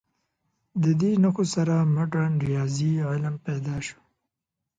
د دې نښو سره مډرن ریاضي علم پیل شو.